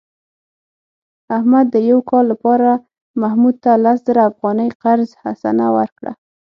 احمد د یو کال لپاره محمود ته لس زره افغانۍ قرض حسنه ورکړه.